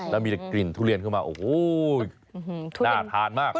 แล้วกลิ่นทุเรียนขึ้นมาน่าทานมาก